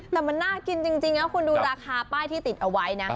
แต่มันน่ากินจริงนะคุณดูราคาป้ายที่ติดเอาไว้นะ